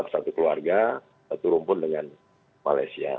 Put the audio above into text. satu keluarga satu rumpun dengan malaysia